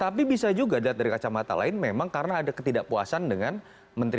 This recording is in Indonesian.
tapi bisa juga dari kacamata lain memang karena ada ketidakpuasan dengan menteri